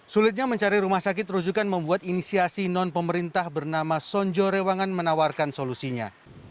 sulitnya mencari rumah sakit rujukan membuat inisiasi non pemerintah bernama sonjo rewangan menawarkan solusinya